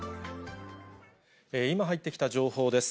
今入ってきた情報です。